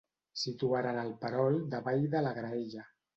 Situaren el perol davall de la graella.